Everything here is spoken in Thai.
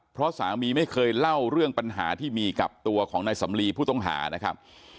เพราะสามีไม่เคยเล่าเรื่องปัญหาที่มีกับตัวของนายสำลีผู้ต้องหานะครับ